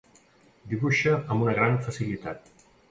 Dibuixa amb una gran facilitat.